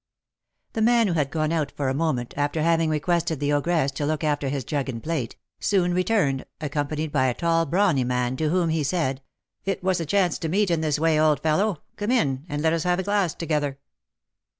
The man who had gone out for a moment, after having requested the ogress to look after his jug and plate, soon returned, accompanied by a tall, brawny man, to whom he said, "It was a chance to meet in this way, old fellow! Come in, and let us have a glass together."